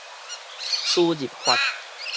輸入法